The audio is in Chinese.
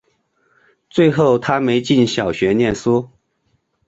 最后她没进小学念书